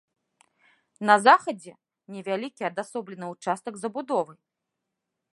На захадзе невялікі адасоблены ўчастак забудовы.